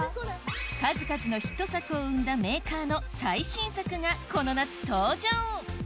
数々のヒット作を生んだメーカーの最新作がこの夏登場！